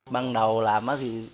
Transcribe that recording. ban đầu làm